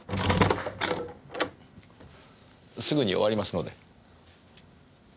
すぐに終わりますので。